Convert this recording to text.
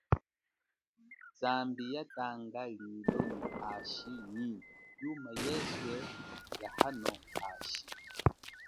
Zambi ya tanga lilo nyi hashi nyi yuma yeswe ya hano hashi.